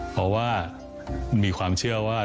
เพราะว่ามีความเชื่อว่า